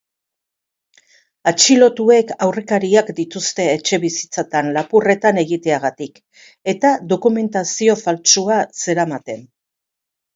Atxilotuek aurrekariak dituzte etxebizitzetan lapurretan egiteagatik, eta dokumentazio faltsua zeramaten.